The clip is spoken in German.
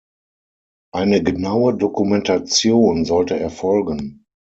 Eine genaue Dokumentation sollte erfolgen.